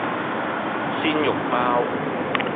鮮肉包